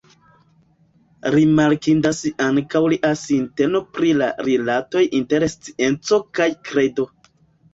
Rimarkindas ankaŭ lia sinteno pri la rilatoj inter scienco kaj kredo.